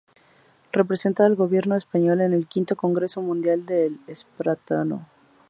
Representa al gobierno español en el quinto Congreso Mundial de Esperanto.